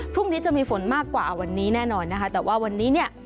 พรุ่งนี้จะมีฝนมากกว่าวันนี้แน่นอนนะคะแต่ว่าวันนี้เนี่ย